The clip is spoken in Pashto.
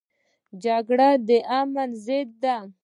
جګړه د امن ضد ده